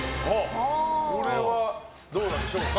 これはどうなんでしょうか。